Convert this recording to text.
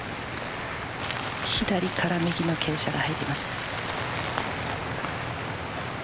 左から右の傾斜が入ります。